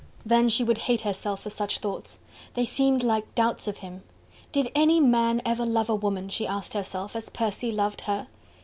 Then she would hate herself for such thoughts: they seemed like doubts of him. Did any man ever love a woman, she asked herself, as Percy loved her?